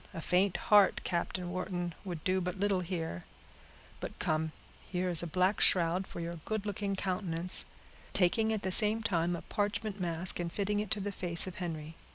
A faint heart, Captain Wharton, would do but little here; but come, here is a black shroud for your good looking countenance," taking, at the same time, a parchment mask, and fitting it to the face of Henry.